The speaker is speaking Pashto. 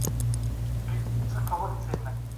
د جرګي غړو به د هیواد د امنیت لپاره طرحې وړاندې کولي.